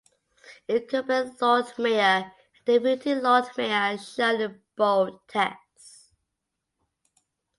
Incumbent Lord Mayor and Deputy Lord Mayor are shown in bold text.